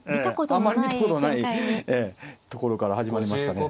あまり見たことないところから始まりましたね。